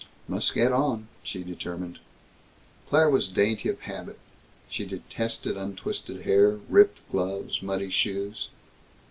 "Must get on," she determined. Claire was dainty of habit. She detested untwisted hair, ripped gloves, muddy shoes.